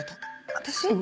私？